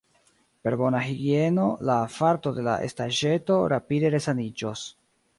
Per bona higieno la farto de la estaĵeto rapide resaniĝos.